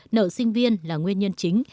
nợ sinh viên là nguyên nhân chính